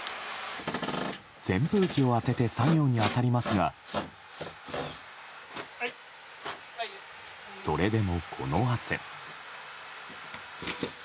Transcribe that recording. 扇風機を当てて作業に当たりますがそれでも、この汗。